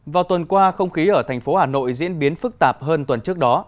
vào tuần qua không khí ở thành phố hà nội diễn biến phức tạp hơn tuần trước đó